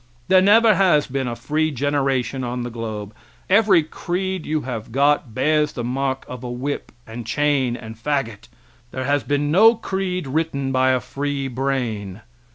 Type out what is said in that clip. There never has been a free generation on the globe. Every creed you have got bears the mark of whip, and chain, and fagot. There has been no creed written by a free brain.